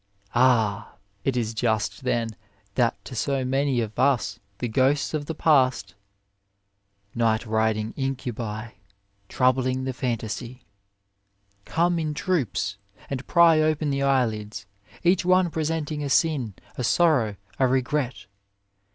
Ah ! but it is just then that to so many of us the ghosts of the past, Night riding Incubi Troubling the fantasy, come in troops, and pry open the eyelids, each one presenting a sin, a sorrow, a regret.